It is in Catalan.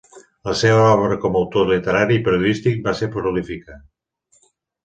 La seva obra com a autor literari i periodístic va ser prolífica.